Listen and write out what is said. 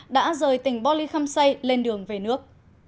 đã rời tỉnh bò lì khăm xây lên đường về nước